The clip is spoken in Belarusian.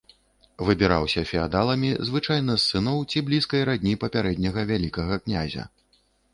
Выбіраўся феадаламі, звычайна з сыноў ці блізкай радні папярэдняга вялікага князя.